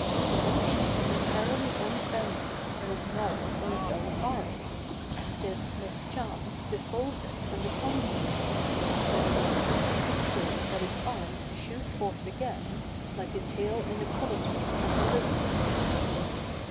The notion is entirely unfounded that it gnaws its own arms; this mischance befalls it from the congers; but it is perfectly true that its arms shoot forth again, like the tail in the colotus and the lizard.